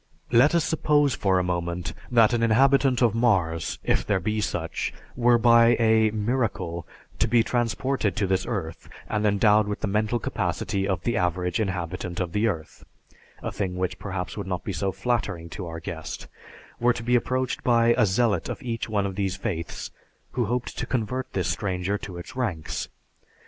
Let us suppose for a moment that an inhabitant of Mars, if there be such, were by a "miracle" to be transported to this earth and endowed with the mental capacity of the average inhabitant of the earth (a thing which perhaps would not be so flattering to our guest), were to be approached by a zealot of each one of these faiths, who hoped to convert this stranger to its ranks.